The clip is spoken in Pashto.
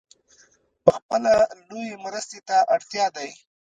پخپله لویې مرستې ته اړ دی .